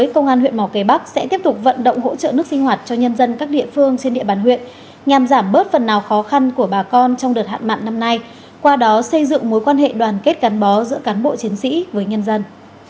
công an huyện mỏ cây bắc sẽ tiếp tục vận động hỗ trợ nước sinh hoạt cho nhân dân các địa phương trên địa bàn huyện nhằm giảm bớt phần nào khó khăn của bà con trong đợt hạn mạn năm nay qua đó xây dựng mối quan hệ đoàn kết gắn bó giữa cán bộ chiến sĩ với nhân dân